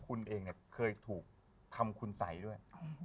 คุณเองเคยถูกทำขุนใสด้วย